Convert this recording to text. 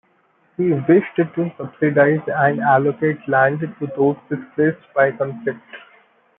He wished to subsidize and allocate land to those displaced by conflict.